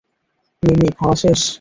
মিম্মি খাওয়া শেষ?